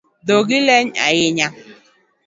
Dhogi leny ahinya